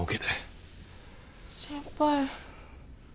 先輩。